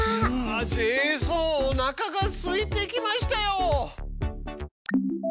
ジェイソンおなかがすいてきましたよ！